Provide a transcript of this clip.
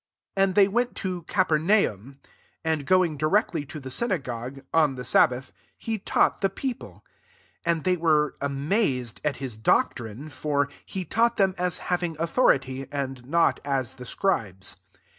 21 And they went to Caper naum ; and [goin^'] directly to the synagogue, on the sabbath, he taught the /leo/ile. 22 And they were amazed at his doc trine : for he taught them as having authority, and not as the scribes.